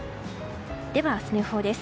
では、明日の予報です。